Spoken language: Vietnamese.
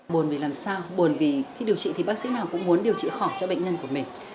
buồn vì làm sao buồn vì khi điều trị thì bác sĩ nào cũng muốn điều trị khỏi cho bệnh nhân của mình